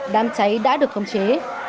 đám cháy đã được khống chế